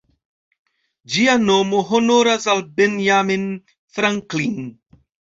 Ĝia nomo honoras al Benjamin Franklin.